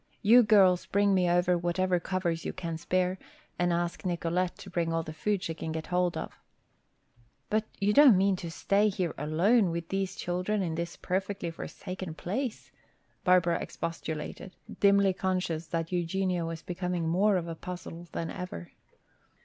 You girls bring me over whatever covers you can spare and ask Nicolete to bring all the food she can get hold of." "But you don't mean to stay here alone with these children in this perfectly forsaken place," Barbara expostulated, dimly conscious that Eugenia was becoming more of a puzzle than ever.